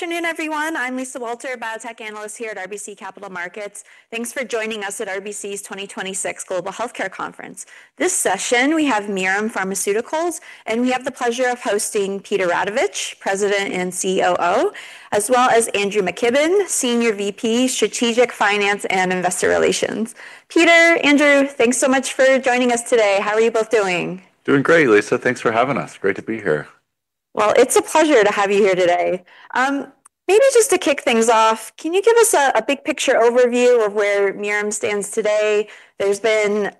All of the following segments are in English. Afternoon, everyone? I'm Lisa Walter, biotech analyst here at RBC Capital Markets. Thanks for joining us at RBC's 2026 Global Healthcare Conference. This session, we have Mirum Pharmaceuticals, and we have the pleasure of hosting Peter Radovich, President and Chief Operating Officer, as well as Andrew McKibben, Senior Vice President, Strategic Finance & Investor Relations. Peter, Andrew, thanks so much for joining us today. How are you both doing? Doing great, Lisa. Thanks for having us. Great to be here. Well, it's a pleasure to have you here today. Maybe just to kick things off, can you give us a big picture overview of where Mirum stands today? There's been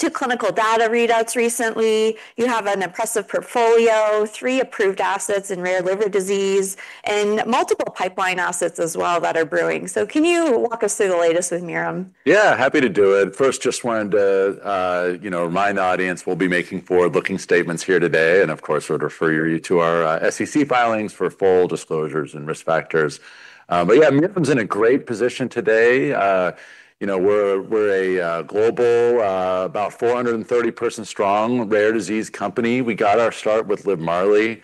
two clinical data readouts recently. You have an impressive portfolio, three approved assets in rare liver disease, and multiple pipeline assets as well that are brewing. Can you walk us through the latest with Mirum? Yeah, happy to do it. First, just wanted to remind the audience we'll be making forward-looking statements here today, and of course, we'll refer you to our SEC filings for full disclosures and risk factors. Yeah, Mirum's in a great position today. We're a global, about 430 person strong, rare disease company. We got our start with LIVMARLI,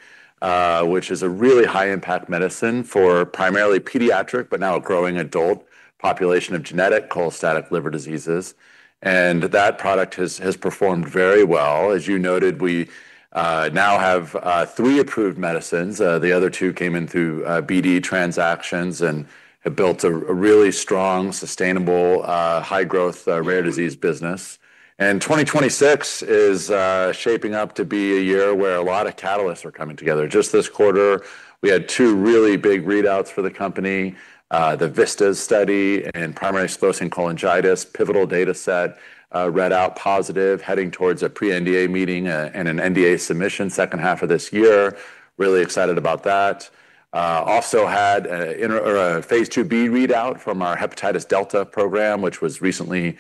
which is a really high-impact medicine for primarily pediatric, but now growing adult population of genetic cholestatic liver diseases, and that product has performed very well. As you noted, we now have three approved medicines. The other two came in through BD transactions and have built a really strong, sustainable, high growth, rare disease business. 2026 is shaping up to be a year where a lot of catalysts are coming together. Just this quarter, we had two really big readouts for the company. The VISTAS study and primary sclerosing cholangitis pivotal data set read out positive, heading towards a pre-NDA meeting and an NDA submission second half of this year. Really excited about that. Also had a phase II-B readout from our hepatitis delta program, which recently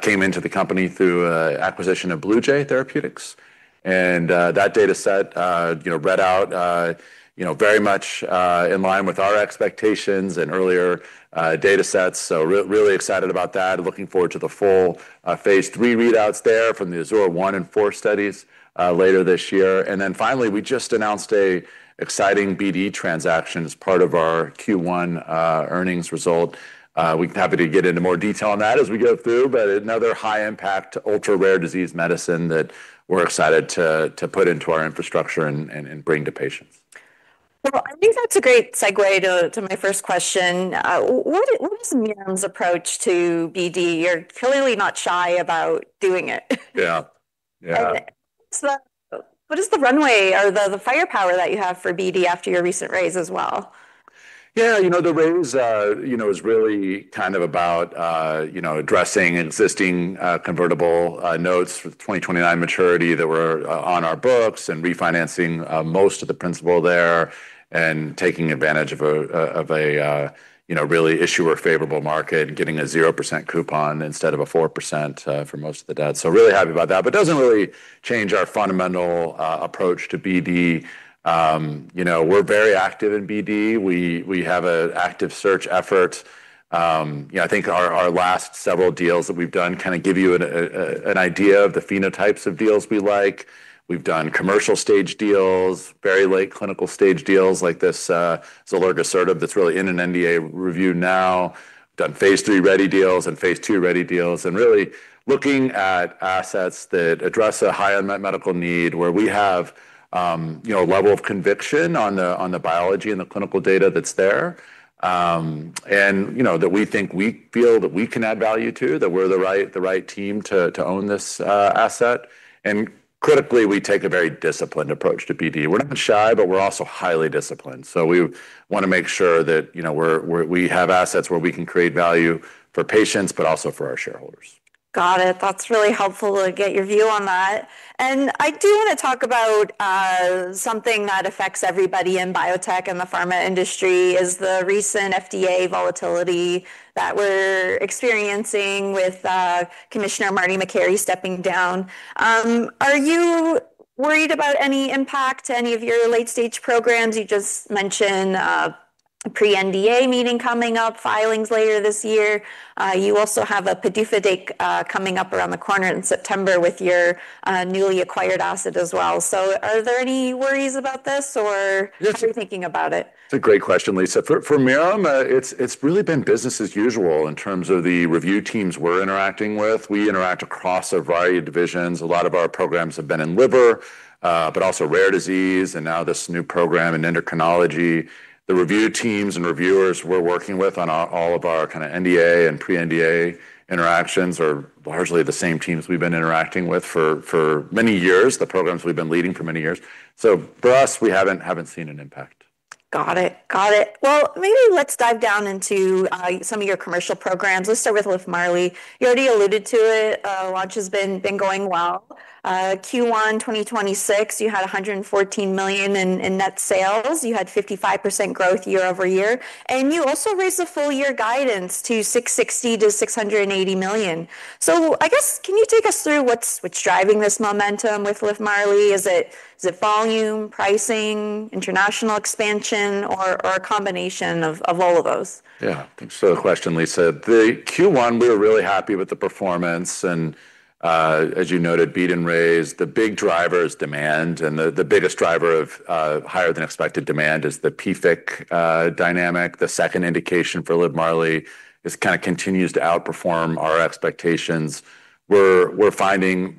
came into the company through acquisition of Bluejay Therapeutics, and that data set read out very much in line with our expectations and earlier data sets. Really excited about that, looking forward to the full phase III readouts there from the AZURE-1 and AZURE-4 studies later this year. Finally, we just announced a exciting BD transaction as part of our Q1 earnings result. We can happy to get into more detail on that as we go through, but another high impact, ultra-rare disease medicine that we're excited to put into our infrastructure and bring to patients. I think that's a great segue to my first question. What is Mirum's approach to BD? You're clearly not shy about doing it. Yeah. What is the runway or the firepower that you have for BD after your recent raise as well? Yeah. The raise is really about addressing existing convertible notes for the 2029 maturity that were on our books and refinancing most of the principal there and taking advantage of a really issuer favorable market, getting a 0% coupon instead of a 4% for most of the debt. Really happy about that, but doesn't really change our fundamental approach to BD. We're very active in BD. We have an active search effort. I think our last several deals that we've done give you an idea of the phenotypes of deals we like. We've done commercial stage deals, very late clinical stage deals like this zilurgisertib that's really in an NDA review now. Done phase III-ready deals and phase II-ready deals. Really looking at assets that address a high unmet medical need where we have a level of conviction on the biology and the clinical data that's there, and that we think we feel that we can add value to, that we're the right team to own this asset. Critically, we take a very disciplined approach to BD. We're not shy, but we're also highly disciplined. We want to make sure that we have assets where we can create value for patients, but also for our shareholders. Got it. That's really helpful to get your view on that. I do want to talk about something that affects everybody in biotech and the pharma industry is the recent FDA volatility that we're experiencing with Commissioner Martin Makary stepping down. Are you worried about any impact to any of your late-stage programs? You just mentioned a pre-NDA meeting coming up, filings later this year. You also have a PDUFA date coming up around the corner in September with your newly acquired asset as well. Are there any worries about this? How are you thinking about it? It's a great question, Lisa. For Mirum, it's really been business as usual in terms of the review teams we're interacting with. We interact across a variety of divisions. A lot of our programs have been in liver, but also rare disease, and now this new program in endocrinology. The review teams and reviewers we're working with on all of our NDA and pre-NDA interactions are largely the same teams we've been interacting with for many years, the programs we've been leading for many years. For us, we haven't seen an impact. Got it. Well, maybe let's dive down into some of your commercial programs. Let's start with LIVMARLI. You already alluded to it. Launch has been going well. Q1 2026, you had $114 million in net sales. You had 55% growth year-over-year, you also raised the full year guidance to $660 million-$680 million. I guess, can you take us through what's driving this momentum with LIVMARLI? Is it volume, pricing, international expansion, or a combination of all of those? Thanks for the question, Lisa. The Q1, we were really happy with the performance and, as you noted, beat and raised the big drivers demand and the biggest driver of higher than expected demand is the PFIC dynamic. The second indication for LIVMARLI just kind of continues to outperform our expectations. We're finding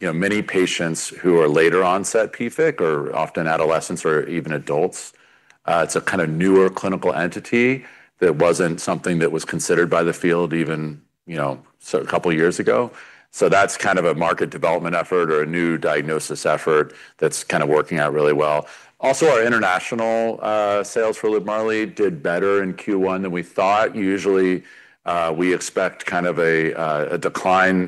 many patients who are later onset PFIC are often adolescents or even adults. It's a kind of newer clinical entity that wasn't something that was considered by the field even some couple of years ago. That's kind of a market development effort or a new diagnosis effort that's kind of working out really well. Also, our international sales for LIVMARLI did better in Q1 than we thought. Usually, we expect a meaningful decline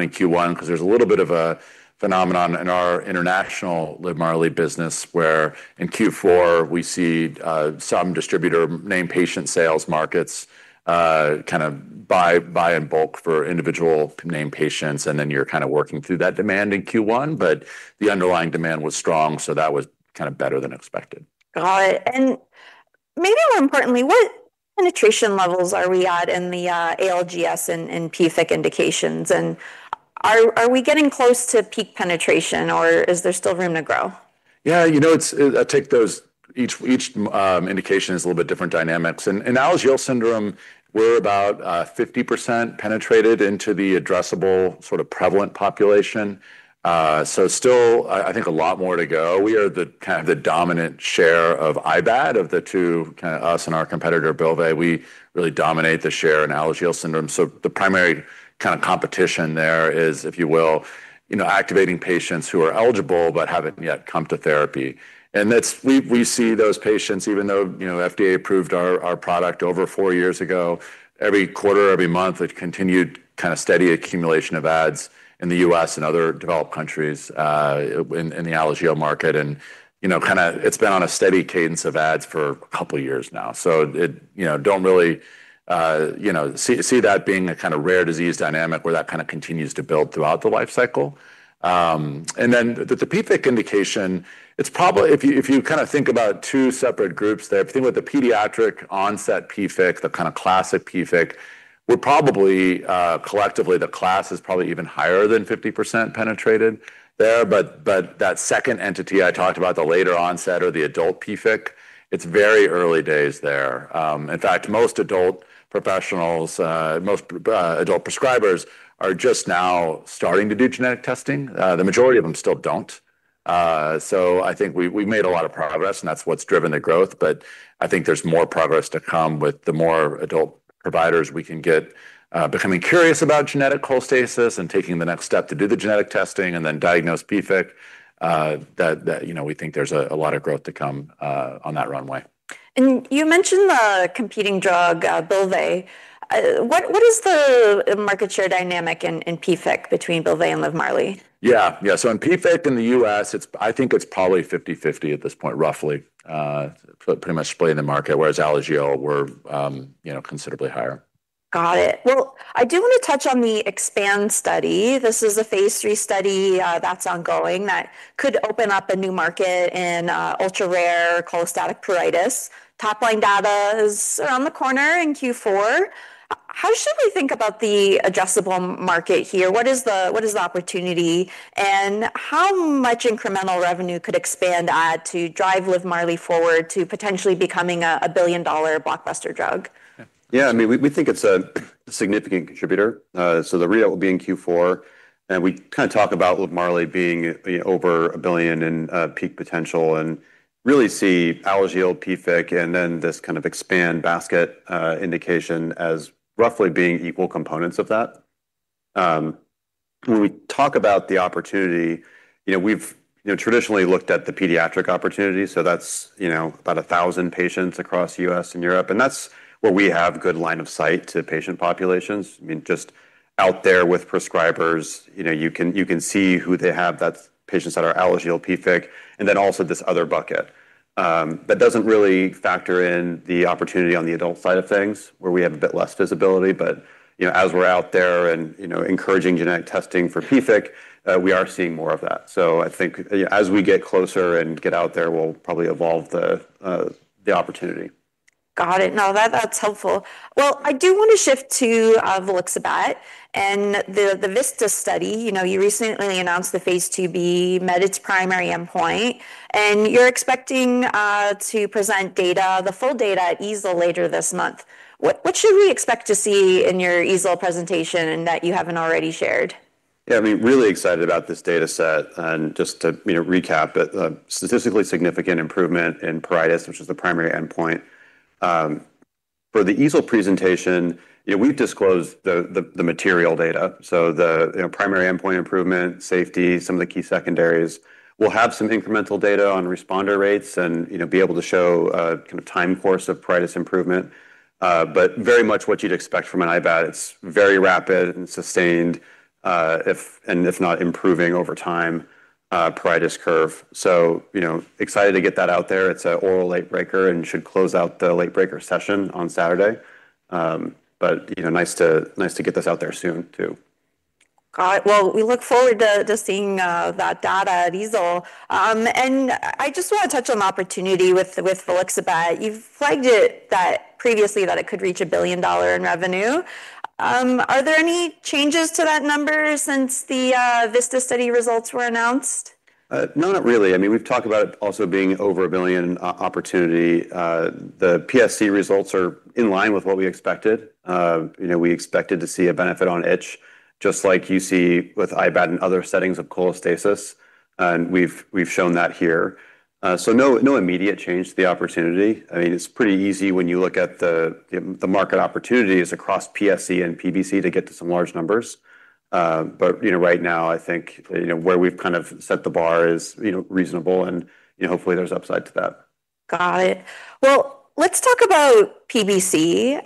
in Q1. There's a little bit of a phenomenon in our international LIVMARLI business where in Q4 we see some distributor name patient sales markets kind of buy in bulk for individual name patients. You're kind of working through that demand in Q1. The underlying demand was strong. That was kind of better than expected. Got it. Maybe more importantly, what penetration levels are we at in the ALGS and PFIC indications, are we getting close to peak penetration, or is there still room to grow? Yeah. Each indication is a little bit different dynamics. In Alagille syndrome, we're about 50% penetrated into the addressable sort of prevalent population. Still, I think a lot more to go. We are the kind of the dominant share of IBAT of the two, kind of us and our competitor BYLVAY. We really dominate the share in Alagille syndrome. The primary kind of competition there is, if you will, activating patients who are eligible but haven't yet come to therapy. We see those patients even though FDA approved our product over four years ago, every quarter, every month, a continued kind of steady accumulation of adds in the U.S. and other developed countries, in the Alagille market. It's been on a steady cadence of adds for a couple of years now. See that being a kind of rare disease dynamic where that kind of continues to build throughout the life cycle. The PFIC indication, if you kind of think about two separate groups there, if you think about the pediatric onset PFIC, the kind of classic PFIC, we're probably, collectively the class is probably even higher than 50% penetrated there. That second entity I talked about, the later onset or the adult PFIC, it's very early days there. In fact, most adult professionals, most adult prescribers are just now starting to do genetic testing. The majority of them still don't. I think we made a lot of progress, and that's what's driven the growth. I think there's more progress to come with the more adult providers we can get becoming curious about genetic cholestasis and taking the next step to do the genetic testing and then diagnose PFIC, that we think there's a lot of growth to come on that runway. You mentioned the competing drug, BYLVAY. What is the market share dynamic in PFIC between BYLVAY and LIVMARLI? Yeah. In PFIC in the U.S., I think it's probably 50/50 at this point, roughly. Pretty much split in the market, whereas Alagille we're considerably higher. Got it. Well, I do want to touch on the EXPAND study. This is a phase III study that's ongoing that could open up a new market in ultra-rare cholestatic pruritus. Top-line data is around the corner in Q4. How should we think about the addressable market here? What is the opportunity, and how much incremental revenue could EXPAND add to drive LIVMARLI forward to potentially becoming a billion-dollar blockbuster drug? Yeah. We think it's a significant contributor. The read will be in Q4, and we kind of talk about LIVMARLI being over $1 billion in peak potential and really see Alagille, PFIC, and then this kind of EXPAND basket indication as roughly being equal components of that. When we talk about the opportunity, we've traditionally looked at the pediatric opportunity, so that's about 1,000 patients across U.S. and Europe, and that's where we have good line of sight to patient populations. Just out there with prescribers, you can see who they have, that's patients that are Alagille, PFIC, and then also this other bucket. That doesn't really factor in the opportunity on the adult side of things where we have a bit less visibility. As we're out there and encouraging genetic testing for PFIC, we are seeing more of that. I think as we get closer and get out there, we'll probably evolve the opportunity. Got it. No, that's helpful. I do want to shift to volixibat and the VISTAS study. You recently announced the phase IIb met its primary endpoint, and you're expecting to present data, the full data at EASL later this month. What should we expect to see in your EASL presentation and that you haven't already shared? Yeah. Really excited about this data set, and just to recap, a statistically significant improvement in pruritus, which is the primary endpoint. For the EASL presentation, we've disclosed the material data, the primary endpoint improvement, safety, some of the key secondaries. We'll have some incremental data on responder rates and be able to show a kind of time course of pruritus improvement. Very much what you'd expect from an IBAT. It's very rapid and sustained, and if not improving over time, pruritus curve. We are excited to get that out there. It's an oral late breaker and should close out the late breaker session on Saturday. It is nice to get this out there soon, too. Got it. We look forward to just seeing that data at EASL. I just want to touch on the opportunity with volixibat. You've flagged it that previously that it could reach a billion-dollar in revenue. Are there any changes to that number since the VISTAS study results were announced? Not really. We've talked about it also being over a billion opportunity. The PSC results are in line with what we expected. We expected to see a benefit on itch, just like you see with IBAT in other settings of cholestasis, and we've shown that here. No immediate change to the opportunity. It's pretty easy when you look at the market opportunities across PSC and PBC to get to some large numbers. Right now, I think where we've kind of set the bar is reasonable, and hopefully there's upside to that. Got it. Well, let's talk about PBC.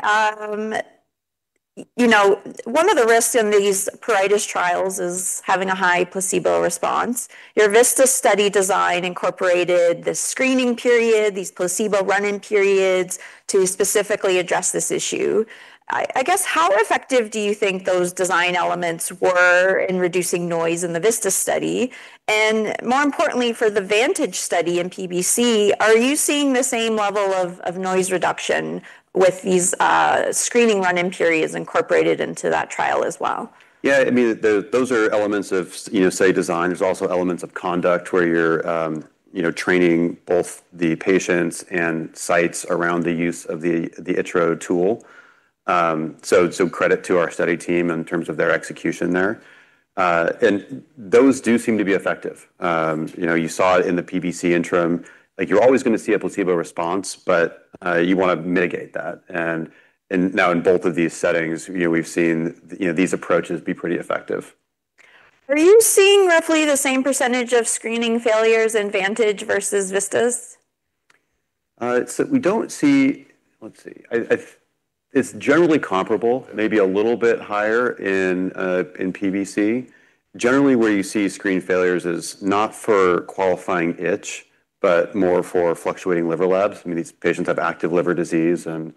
One of the risks in these pruritus trials is having a high placebo response. Your VISTAS study design incorporated this screening period, these placebo run-in periods to specifically address this issue. I guess, how effective do you think those design elements were in reducing noise in the VISTAS study? More importantly, for the VANTAGE study in PBC, are you seeing the same level of noise reduction with these screening run-in periods incorporated into that trial as well? Those are elements of study design. There's also elements of conduct where you're training both the patients and sites around the use of the ItchRO tool. Credit to our study team in terms of their execution there. Those do seem to be effective. You saw it in the PBC interim. You're always going to see a placebo response, but you want to mitigate that. Now in both of these settings, we've seen these approaches be pretty effective. Are you seeing roughly the same percentage of screening failures in VANTAGE versus VISTAS? Let's see. It's generally comparable, maybe a little bit higher in PBC. Generally, where you see screen failures is not for qualifying itch, but more for fluctuating liver labs. These patients have active liver disease, and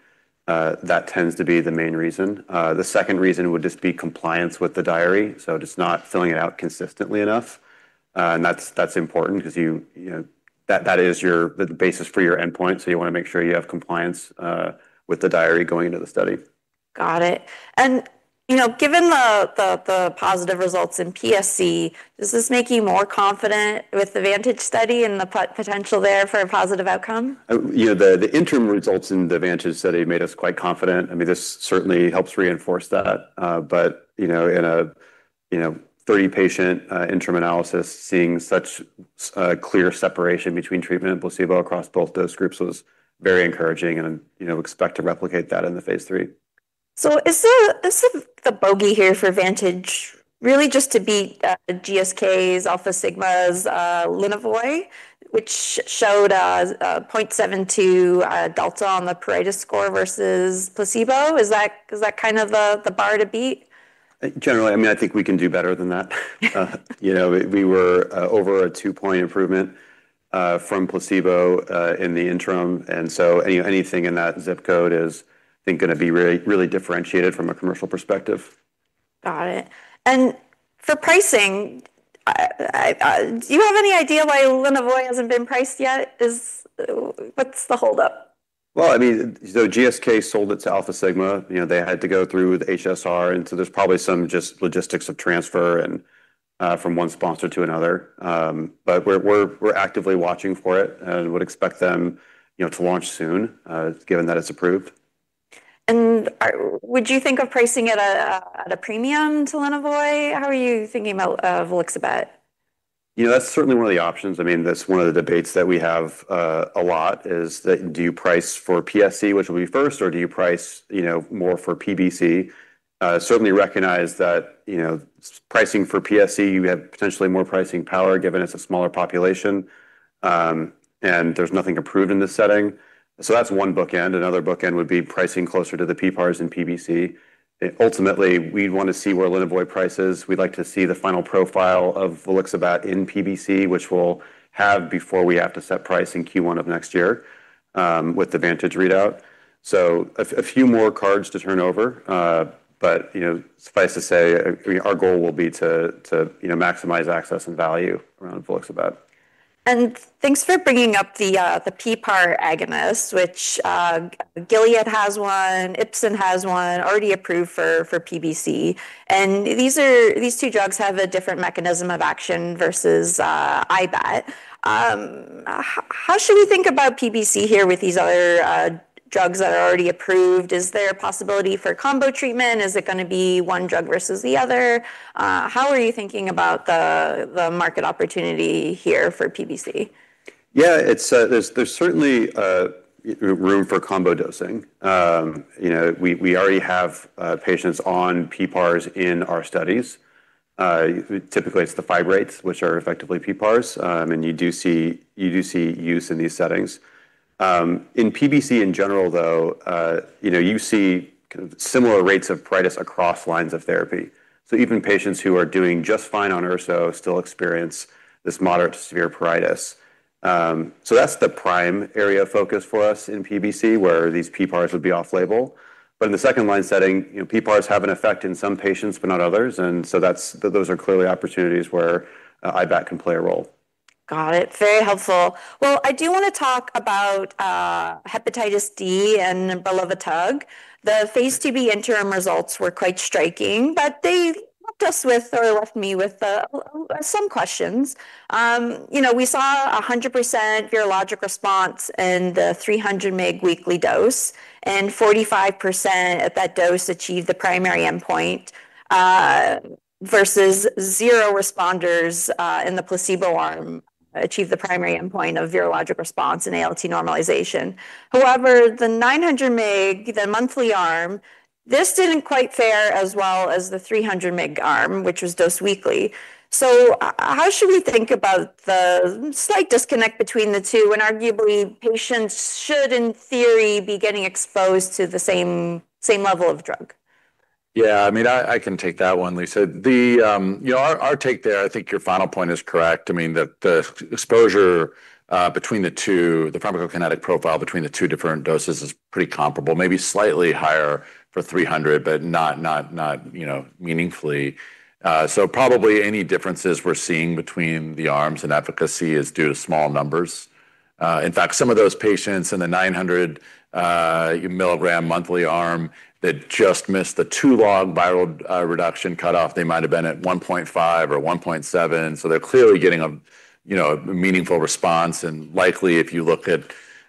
that tends to be the main reason. The second reason would just be compliance with the diary, so just not filling it out consistently enough. That's important because that is the basis for your endpoint, so you want to make sure you have compliance with the diary going into the study. Got it. Given the positive results in PSC, does this make you more confident with the VANTAGE study and the potential there for a positive outcome? The interim results in the VANTAGE study made us quite confident. This certainly helps reinforce that. In a 30-patient interim analysis, seeing such clear separation between treatment and placebo across both those groups was very encouraging and expect to replicate that in the phase III. Is the bogey here for VANTAGE really just to beat GSK's, Alfasigma's Lynavoy, which showed a 0.72 delta on the pruritus score versus placebo? Is that kind of the bar to beat? Generally. I think we can do better than that. We were over a two-point improvement from placebo in the interim, and so anything in that ZIP code is, I think, going to be really differentiated from a commercial perspective. Got it. For pricing, do you have any idea why Lynavoy hasn't been priced yet? What's the hold-up? GSK sold it to Alfasigma. They had to go through with HSR, there's probably some just logistics of transfer and from one sponsor to another. We're actively watching for it and would expect them to launch soon, given that it's approved. Would you think of pricing at a premium to Lynavoy? How are you thinking about volixibat? That's certainly one of the options. That's one of the debates that we have a lot is that do you price for PSC, which will be first, or do you price more for PBC? Certainly recognize that pricing for PSC, you have potentially more pricing power given it's a smaller population, and there's nothing approved in this setting. That's one bookend. Another bookend would be pricing closer to the PPARs in PBC. Ultimately, we'd want to see where Lynavoy prices. We'd like to see the final profile of volixibat in PBC, which we'll have before we have to set pricing Q1 of next year with the VANTAGE readout. A few more cards to turn over. Suffice to say, our goal will be to maximize access and value around volixibat. Thanks for bringing up the PPAR agonist, which Gilead has one, Ipsen has one, already approved for PBC. These two drugs have a different mechanism of action versus IBAT. How should we think about PBC here with these other drugs that are already approved, is there a possibility for combo treatment? Is it going to be one drug versus the other? How are you thinking about the market opportunity here for PBC? There's certainly room for combo dosing. We already have patients on PPARs in our studies. Typically, it's the fibrates, which are effectively PPARs, and you do see use in these settings. In PBC in general, though, you see similar rates of pruritus across lines of therapy. Even patients who are doing just fine on Urso still experience this moderate to severe pruritus. That's the prime area of focus for us in PBC, where these PPARs would be off-label. In the second line setting, PPARs have an effect in some patients but not others, and so those are clearly opportunities where IBAT can play a role. Got it. Very helpful. I do want to talk about hepatitis D and Brelovitug. The phase II-B interim results were quite striking, but they left us with, or left me with some questions. We saw 100% virologic response in the 300 mg weekly dose, and 45% at that dose achieved the primary endpoint, versus 0 responders in the placebo arm achieved the primary endpoint of virologic response and ALT normalization. However, the 900 mg, the monthly arm, this didn't quite fare as well as the 300 mg arm, which was dosed weekly. How should we think about the slight disconnect between the two when arguably patients should, in theory, be getting exposed to the same level of drug? Yeah, I can take that one, Lisa. Our take there, I think your final point is correct. The exposure between the two, the pharmacokinetic profile between the two different doses is pretty comparable. Maybe slightly higher for 300 mg, not meaningfully. Probably any differences we're seeing between the arms and efficacy is due to small numbers. In fact, some of those patients in the 900 mg monthly arm that just missed the 2-log viral reduction cutoff, they might have been at 1.5 or 1.7, they're clearly getting a meaningful response. Likely, if you looked at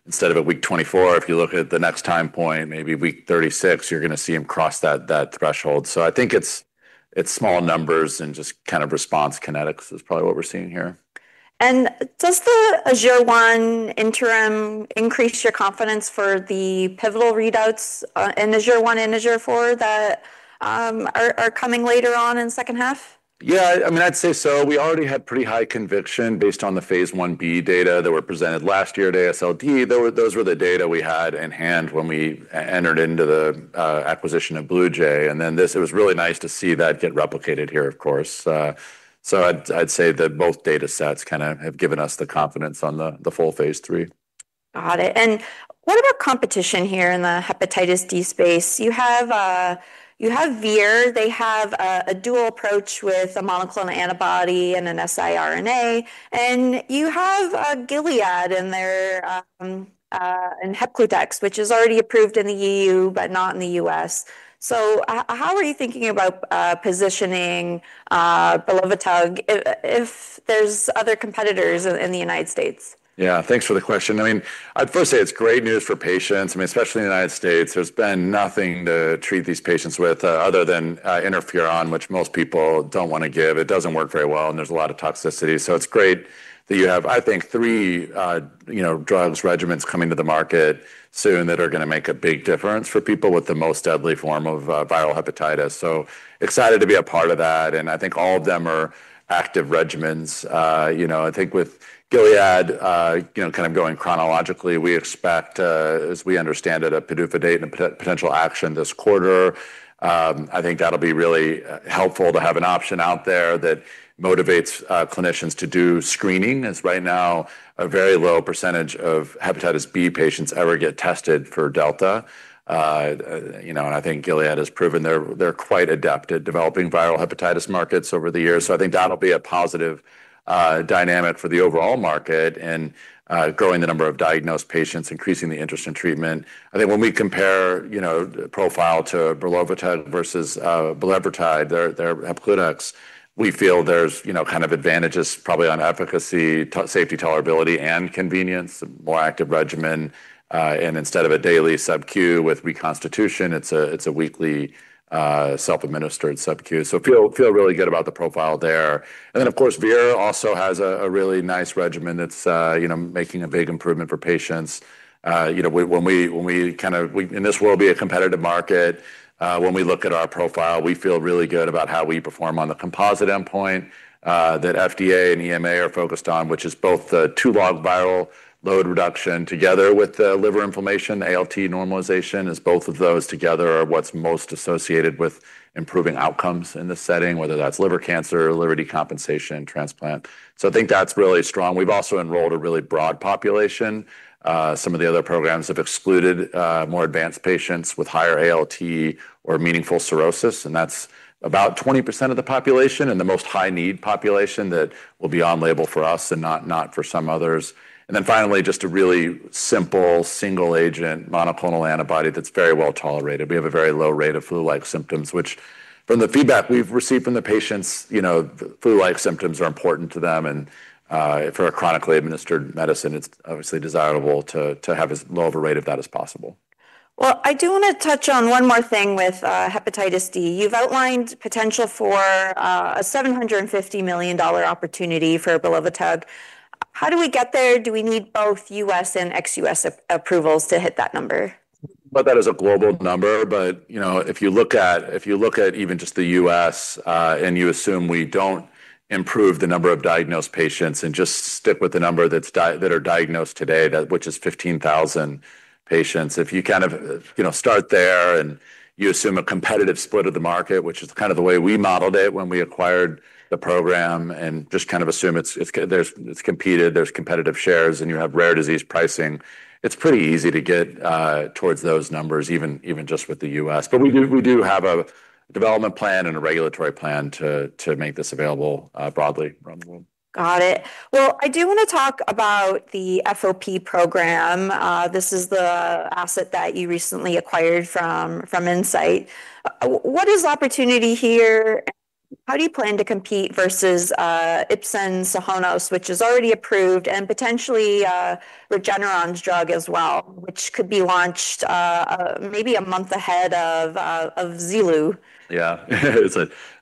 instead of at week 24, if you look at the next time point, maybe week 36, you're going to see them cross that threshold. I think it's small numbers and just response kinetics is probably what we're seeing here. Does the AZURE-1 interim increase your confidence for the pivotal readouts in AZURE-1 and AZUR-4 that are coming later on in second half? Yeah, I'd say so. We already had pretty high conviction based on the phase I-B data that were presented last year at AASLD. Those were the data we had in hand when we entered into the acquisition of Bluejay, and then it was really nice to see that get replicated here, of course. I'd say that both data sets have given us the confidence on the full phase III. Got it. What about competition here in the hepatitis D space? You have Vir. They have a dual approach with a monoclonal antibody and an siRNA, and you have Gilead in there, and Hepcludex, which is already approved in the EU but not in the U.S. How are you thinking about positioning Brelovitug if there's other competitors in the United States? Yeah. Thanks for the question. I'd first say it's great news for patients, especially in the U.S. There's been nothing to treat these patients with other than interferon, which most people don't want to give. It doesn't work very well. There's a lot of toxicity. It's great that you have, I think, three drugs regimens coming to the market soon that are going to make a big difference for people with the most deadly form of viral hepatitis. Excited to be a part of that, and I think all of them are active regimens. I think with Gilead, going chronologically, we expect, as we understand it, a PDUFA date and a potential action this quarter. I think that'll be really helpful to have an option out there that motivates clinicians to do screening, as right now, a very low percentage of hepatitis B patients ever get tested for delta. I think Gilead has proven they're quite adept at developing viral hepatitis markets over the years. I think that'll be a positive dynamic for the overall market and growing the number of diagnosed patients, increasing the interest in treatment. I think when we compare profile to Brelovitug versus Bulevirtide, their Hepcludex, we feel there's advantages probably on efficacy, safety tolerability, and convenience, a more active regimen. Instead of a daily sub-Q with reconstitution, it's a weekly self-administered sub-Q. Feel really good about the profile there. Of course, Vir also has a really nice regimen that's making a big improvement for patients. This will be a competitive market. When we look at our profile, we feel really good about how we perform on the composite endpoint that FDA and EMA are focused on, which is both the 2-log viral load reduction together with the liver inflammation, ALT normalization, as both of those together are what's most associated with improving outcomes in this setting, whether that's liver cancer, liver decompensation, transplant. I think that's really strong. We've also enrolled a really broad population. Some of the other programs have excluded more advanced patients with higher ALT or meaningful cirrhosis, and that's about 20% of the population and the most high-need population that will be on-label for us and not for some others. Finally, just a really simple single-agent monoclonal antibody that's very well-tolerated. We have a very low rate of flu-like symptoms, which from the feedback we've received from the patients, flu-like symptoms are important to them, and for a chronically administered medicine, it's obviously desirable to have as low of a rate of that as possible. Well, I do want to touch on one more thing with hepatitis D. You've outlined potential for a $750 million opportunity for Brelovitug. How do we get there? Do we need both U.S. and ex-U.S. approvals to hit that number? That is a global number. If you look at even just the U.S. and you assume we don't improve the number of diagnosed patients and just stick with the number that are diagnosed today, which is 15,000 patients. If you start there and you assume a competitive split of the market, which is the way we modeled it when we acquired the program and just assume it's competed, there's competitive shares, and you have rare disease pricing, it's pretty easy to get towards those numbers, even just with the U.S. We do have a development plan and a regulatory plan to make this available broadly around the world. Got it. Well, I do want to talk about the FOP program. This is the asset that you recently acquired from Incyte. What is the opportunity here, and how do you plan to compete versus Ipsen SOHONOS, which is already approved, and potentially Regeneron's drug as well, which could be launched maybe a month ahead of zilu? It's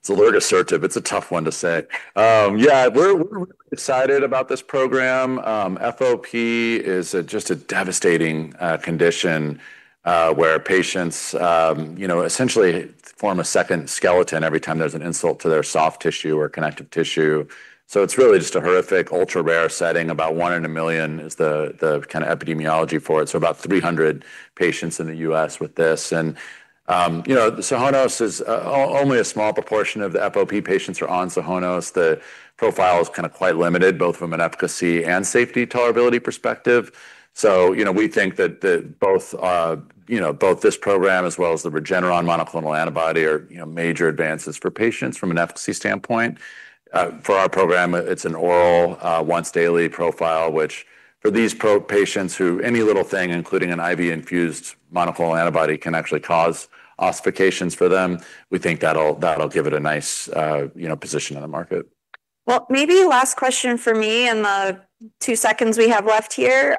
a little assertive. It's a tough one to say. We're really excited about this program. FOP is just a devastating condition, where patients essentially form a second skeleton every time there's an insult to their soft tissue or connective tissue. It's really just a horrific, ultra-rare setting. About one in a million is the epidemiology for it, so about 300 patients in the U.S. with this. Only a small proportion of the FOP patients are on SOHONOS. The profile is quite limited, both from an efficacy and safety tolerability perspective. We think that both this program as well as the Regeneron monoclonal antibody are major advances for patients from an efficacy standpoint. For our program, it's an oral once-daily profile, which for these patients who any little thing, including an IV-infused monoclonal antibody, can actually cause ossifications for them, we think that'll give it a nice position in the market. Well, maybe last question from me in the 2-seconds we have left here.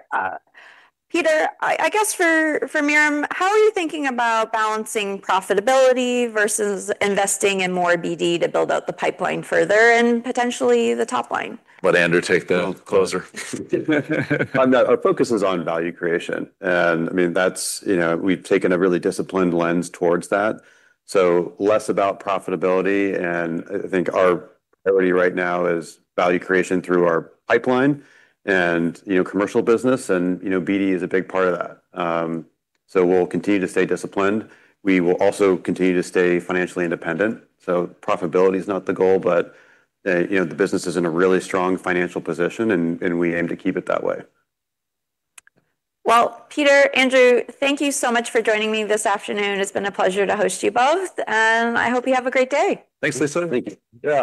Peter, I guess for Mirum, how are you thinking about balancing profitability versus investing in more BD to build out the pipeline further and potentially the top line? Let Andrew take the closer. Our focus is on value creation, and we've taken a really disciplined lens towards that. Less about profitability, and I think our priority right now is value creation through our pipeline and commercial business. BD is a big part of that. We'll continue to stay disciplined. We will also continue to stay financially independent. Profitability is not the goal, but the business is in a really strong financial position, and we aim to keep it that way. Well, Peter, Andrew, thank you so much for joining me this afternoon. It's been a pleasure to host you both, and I hope you have a great day. Thanks, Lisa. Thank you.